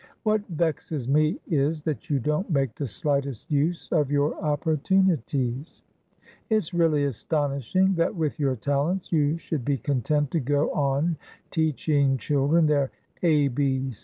"What vexes me is, that you don't make the slightest use of your opportunities. It's really astonishing that, with your talents, you should be content to go on teaching children their A.